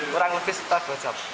kurang lebih sekitar dua jam